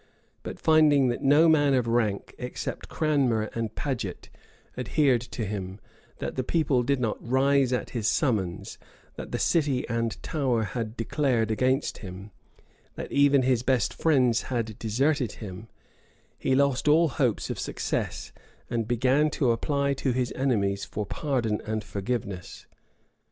But finding that no man of rank, except Cranmer and Paget, adhered to him, that the people did not rise at his summons, that the city and Tower had declared against him, that even his best friends had deserted him, he lost all hopes of success, and began to apply to his enemies for pardon and forgiveness.